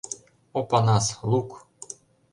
Опанас, лук!